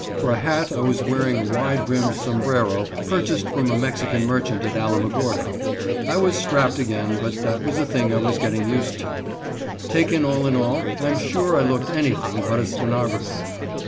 For a hat I was wearing a wide brimmed sombrero, purchased from a Mexican merchant at Alamogordo. I was strapped again, but that was a thing I was getting used to. Taken all in all, I'm sure I looked anything but a stenographer.